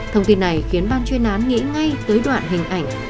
thông tin này khiến ban chuyên án nghĩ ngay tới đoạn hình ảnh